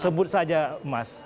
sebut saja mas